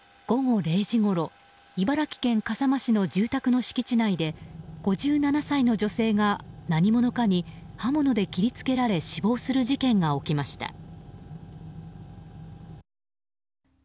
午後０時ごろ茨城県笠間市の住宅の敷地内で５７歳の女性が何者かに刃物で切り付けられ死亡する事件が起きました。